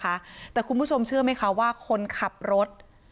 ครับคุณผู้ชมเชื่อมั้ยครับว่าขนขับรถ